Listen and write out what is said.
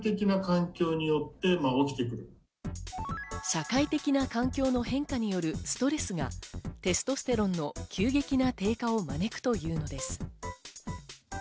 社会的な環境の変化によるストレスが、テストステロンの急激な低下を招くというのです。